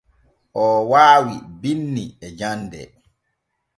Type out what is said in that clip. Oo waawi binni e jande.